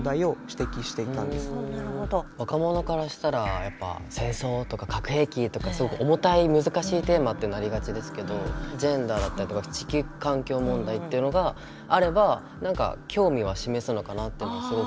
若者からしたらやっぱ戦争とか核兵器とかすごく重たい難しいテーマってなりがちですけどジェンダーだったりとか地球環境問題っていうのがあれば何か興味は示すのかなっていうのはすごく。